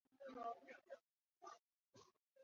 本站与建设中的及索科利尼基线延长段相连。